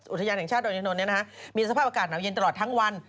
อุทยานแห่งชาติดอยอินทนนท์มีสภาพอากาศหนาวเย็นตลอดทั้งวัน